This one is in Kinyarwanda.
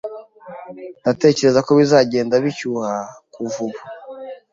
Ndatekereza ko bizagenda bishyuha kuva ubu.